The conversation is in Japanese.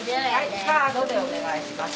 はいカードでお願いします。